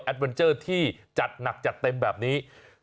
เวนเจอร์ที่จัดหนักจัดเต็มแบบนี้